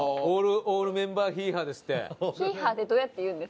オールメンバーヒーハーですって。